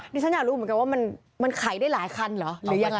ฉันอยากรู้เหมือนกันว่ามันไขได้หลายคันเหรอหรือยังไง